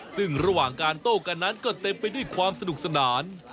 ซึ่งระหว่างการโต้กันนั้นก็เต็มไปด้วยความสนุกสนาน